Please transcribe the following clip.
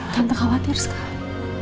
tante khawatir sekali